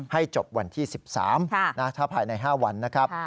ให้จบวันที่๑๓ถ้าภายใน๕วันนะครับ